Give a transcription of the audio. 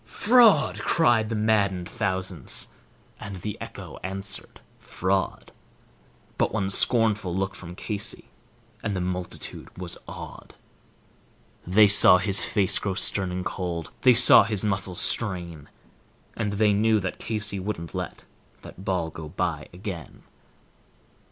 "Fraud," cried the maddened thousands, and the echo answered "Fraud," But one scornful look from Casey, and the multitude was awed. The saw his face grow stern and cold; they saw his muscles strain, And they knew that Casey wouldn't let that ball go by again.